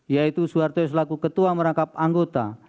yaitu suharto yang selaku ketua merangkap anggota